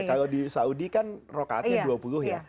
kalau di saudi kan rokaatnya dua puluh ya